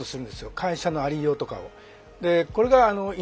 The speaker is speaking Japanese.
会社のありようとかを。